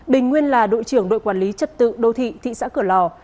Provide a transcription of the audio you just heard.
bình nguyên là đội trưởng đội quản lý trật tự đô thị thị xã cửa lò